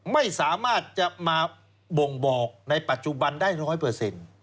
ไม่สามารถจะมาบ่งบอกในปัจจุบันได้ร้อยเปอร์เซ็นต์